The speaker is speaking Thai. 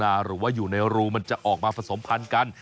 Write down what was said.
หรือว่าอยู่ในรูมันจะออกมาผสมพันธุ์กัน